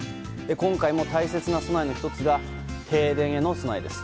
今回も大切な備えの１つが停電への備えです。